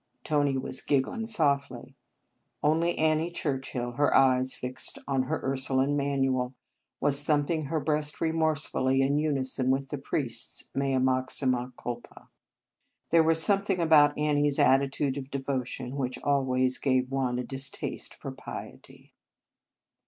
Tony was giggling softly. Only Annie Churchill, her eyes fixed on her Ursuline Manual, was thumping her breast remorsefully, in unison with the priest s " mea maxima culpa." There was something about Annie s attitude of devotion which always gave one a distaste for piety.